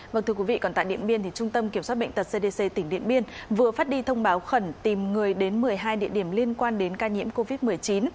vâng thưa quý vị còn tại điện biên trung tâm kiểm soát bệnh tật cdc tỉnh điện biên vừa phát đi thông báo khẩn tìm người đến một mươi hai địa điểm liên quan đến ca nhiễm covid một mươi chín